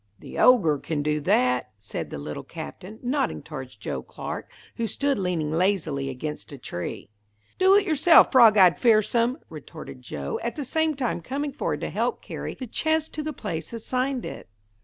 "The Ogre can do that," said the Little Captain, nodding toward Joe Clark, who stood leaning lazily against a tree. "Do it yourself, Frog Eye Fearsome," retorted Joe, at the same time coming forward to help carry the chest to the place assigned it.